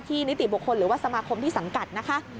นิติบุคคลหรือว่าสมาคมที่สังกัดนะคะ